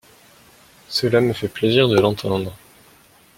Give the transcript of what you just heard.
Cela me fait plaisir de l’entendre